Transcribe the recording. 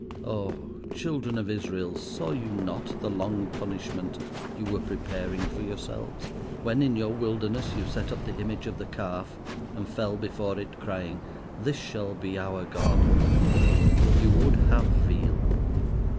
Oh! Children of Israel, saw you not the long punishment you were preparing for yourselves, when in your wilderness you set up the image of the Calf, and fell before it, crying—"This shall be our God." You would have veal.